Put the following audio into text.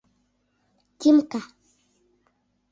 — Тимка!